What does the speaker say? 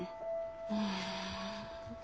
うん。